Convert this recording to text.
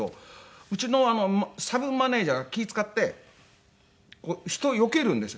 うちのサブマネジャーが気ぃ使って人をよけるんです。